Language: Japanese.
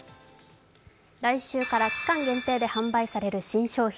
来週から期間限定で販売される新商品。